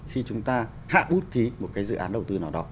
khi chúng ta hạ bút ký một cái dự án đầu tư nào đó